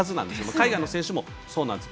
海外の選手もそうなんです。